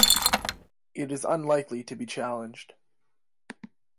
It is unlikely to be challenged.